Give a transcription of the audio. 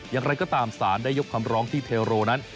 อย่างไรก็ตามสารได้ยกคำร้องที่เทโรนั้น